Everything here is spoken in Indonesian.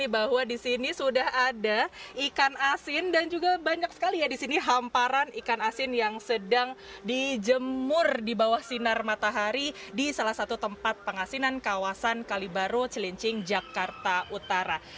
bahwa di sini sudah ada ikan asin dan juga banyak sekali ya di sini hamparan ikan asin yang sedang dijemur di bawah sinar matahari di salah satu tempat pengasinan kawasan kalibaru cilincing jakarta utara